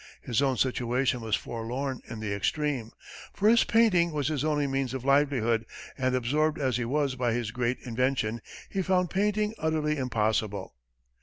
His own situation was forlorn in the extreme; for his painting was his only means of livelihood, and, absorbed as he was by his great invention, he found painting utterly impossible.